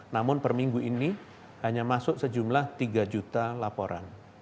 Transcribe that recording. namun perminggu ini hanya masuk sejumlah tiga juta laporan